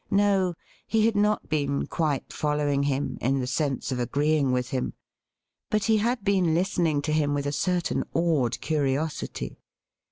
No ; he had not been quite follow ing him, in the sense of agreeing with him. But he had been listening to him with a certain awed curiosity.